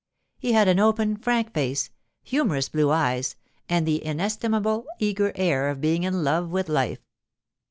He had an open, frank face, humorous blue eyes and the inestimable, eager air of being in love with life.